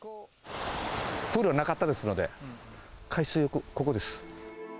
プールなかったですので、海水浴、ここです。